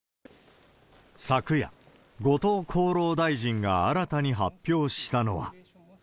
昨夜、後藤厚労大臣が新たに発表したのは。